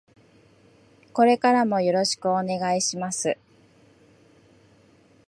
これからもよろしくお願いします。